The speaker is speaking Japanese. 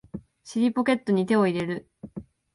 尻ポケットに手を入れる